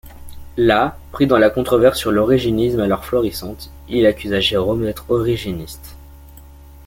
Là, pris dans la controverse sur l'origénisme alors florissante, il accusa Jérôme d'être origéniste.